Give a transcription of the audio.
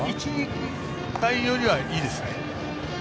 １、２回よりはいいですね。